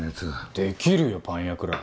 できるよパン屋くらい